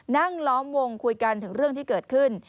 ล้อมวงคุยกันถึงเรื่องที่เกิดขึ้น